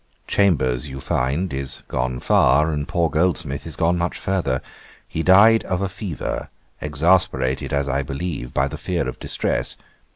Chambers, you find, is gone far, and poor Goldsmith is gone much further. He died of a fever, exasperated, as I believe, by the fear of distress.